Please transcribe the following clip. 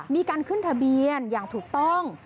มีการขึ้นทะเบียนอย่างถูกต้อง